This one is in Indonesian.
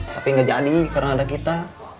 tapi nggak jadi karena ada kita